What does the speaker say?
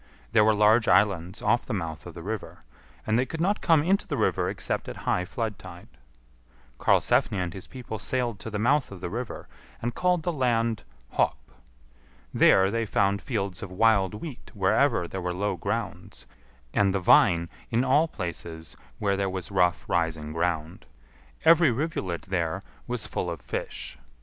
There were large islands off the mouth of the river, and they could not come into the river except at high flood tide. Karlsefni and his people sailed to the mouth of the river, and called the land Hop. There they found fields of wild wheat wherever there were low grounds; and the vine in all places were there was rough rising ground. Every rivulet there was full of fish.